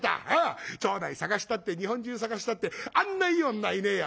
町内探したって日本中探したってあんないい女はいねえや。